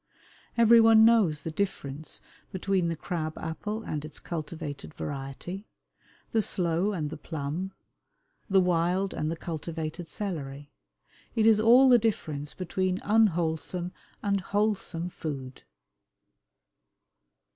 Every one knows the difference between the crab apple and its cultivated variety, the sloe and the plum, the wild and the cultivated celery. It is all the difference between unwholesome and wholesome food.